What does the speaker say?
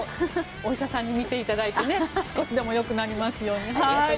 お医者さんに診ていただいて少しでも良くなりますように。